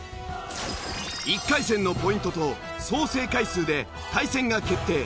１回戦のポイントと総正解数で対戦が決定。